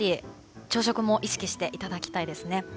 朝食も意識していただきたいです。